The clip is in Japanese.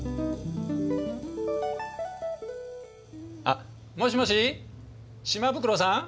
あっもしもし島袋さん？